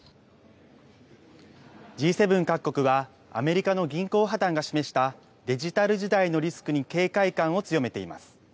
Ｇ７各国はアメリカの銀行破綻が示したデジタル時代のリスクに警戒感を強めています。